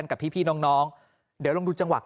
แต่ว่าตอนนี้เรายังคงอยู่ในเรื่องของกีฬาค่ะ